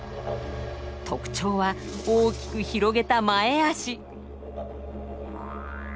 特徴は大きく広げた前足。